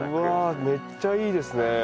うわぁめっちゃいいですね。